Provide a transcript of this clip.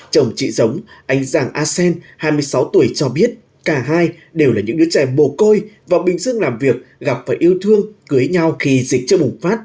chồng chị giống anh giàng a sen hai mươi sáu tuổi cho biết cả hai đều là những đứa trẻ bồ côi và bình xương làm việc gặp và yêu thương cưới nhau khi dịch chưa bùng phát